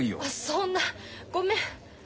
そんなごめん。